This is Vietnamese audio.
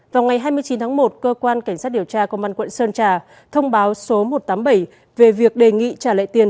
vào ngày hai mươi chín tháng một cơ quan cảnh sát điều tra công an quận sơn trà thông báo số một trăm tám mươi bảy về việc đề nghị trả lại tiền